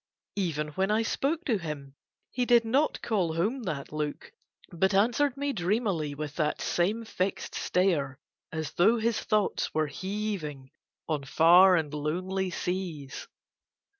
Even when I spoke to him he did not call home that look, but answered me dreamily with that same fixed stare as though his thoughts were heaving on far and lonely seas.